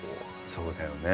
そうだよね。